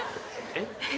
えっ？